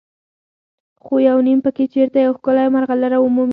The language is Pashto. خو یو نیم پکې چېرته یوه ښکلې مرغلره ومومي.